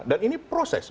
dan ini proses